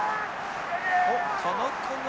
おっ田中が。